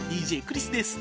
ＤＪクリスです。